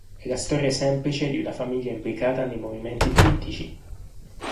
È la storia semplice di una famiglia implicata nei movimenti politici.